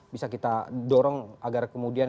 bisa kita dorong agar kemudian